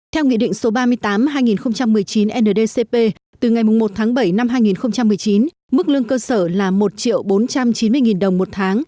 theo nghị định số ba mươi tám hai nghìn một mươi chín ndcp từ ngày một tháng bảy năm hai nghìn một mươi chín mức lương cơ sở là một bốn trăm chín mươi đồng một tháng